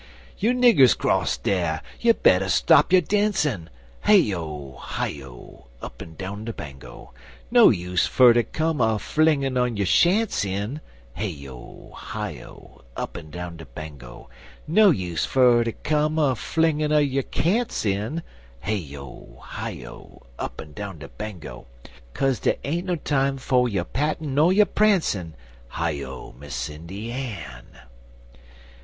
You niggers 'cross dar! you better stop your dancin' (Hey O! Hi O! Up'n down de Bango!) No use for ter come a flingin' un yo' "sha'n'ts" in (Hey O! Hi O! Up'n down de Bango!) No use for ter come a flingin' un yo' "can't's" in (Hey O! Hi O! Up'n down de Bango!) Kaze dey ain't no time for yo' pattin' nor yo' prancin'! (Hi O, Miss Sindy Ann!)